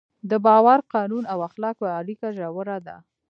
د باور، قانون او اخلاقو اړیکه ژوره ده.